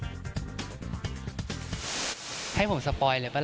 จะรจาสถิติให้เห้นอีกที